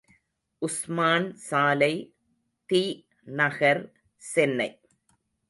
உஸ்மான் சாலை, தி.நகர், சென்னை